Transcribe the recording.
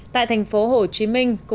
tại thành phố hồ chí minh